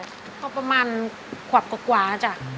ก็ประมาณขวบกว่าจ้ะ